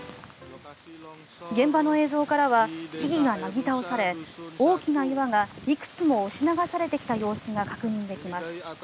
現場の映像からは木々がなぎ倒され大きな岩がいくつも押し流されてきた様子が確認できます。